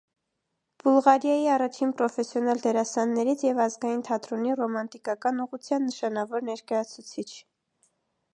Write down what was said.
Բուլղարիայի առաջին պրոֆեսիոնալ դերասաններից և ազգային թատրոնի ռոմանտիկական ուղղության նշանավոր ներկայացուցիչ։